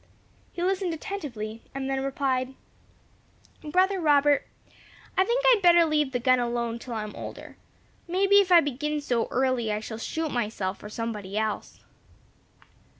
He listened attentively, and then replied, "Brother Robert, I think I had better let the gun alone till I am older. May be, if I begin so early, I shall shoot myself or somebody else."